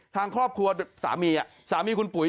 ทางครอบครัวที่คุณสามีของมีปุ๋ย